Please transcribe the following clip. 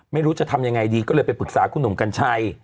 ไม่รู้จะทำยังไงดีก็เลยไปปรึกษาคุณหนุ่มกัญชัย